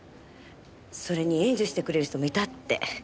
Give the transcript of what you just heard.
それに援助してくれる人もいたって。